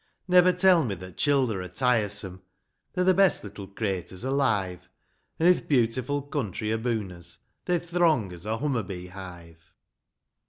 Chorus — Never tell me that childer are tiresome, They're th' best little craiters alive ! An' i'th beautiful country aboon us. They're throng as a humma bee hive.